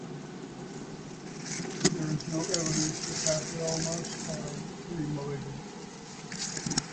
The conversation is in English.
There is no evidence that papillomas are premalignant.